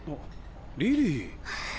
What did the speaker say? リリー。